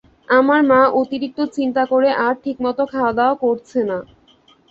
আমার মা অতিরিক্ত চিন্তা করে আর ঠিকমত খাওয়া দাওয়া করছে না।